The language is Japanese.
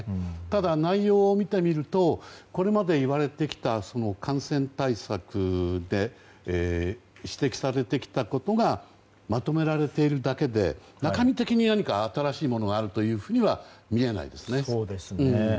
ただ、内容を見てみるとこれまでいわれてきた感染対策で指摘されてきたところがまとめられているだけで中身的に何か新しいものがあるというふうには見えないですね。